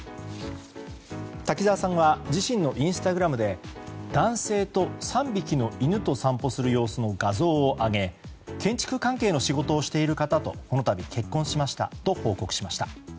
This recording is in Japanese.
滝沢さんは自身のインスタグラムで男性と３匹の犬と散歩する様子の画像を上げ建築関係の仕事をしている方とこの度結婚しましたと報告しました。